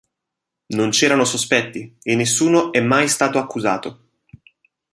Non c'erano sospetti e nessuno è mai stato accusato.